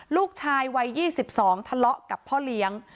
ลูกชายวัย๒๒ทะเลาะกับพ่อเลี้ยง